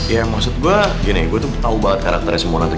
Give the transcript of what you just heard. ya maksud gue gini gue tuh tau banget karakternya si mona itu gimana